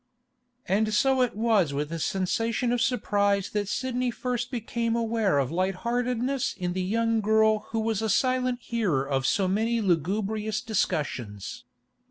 And so it was with a sensation of surprise that Sidney first became aware of light heartedness in the young girl who was a silent hearer of so many lugubrious discussions.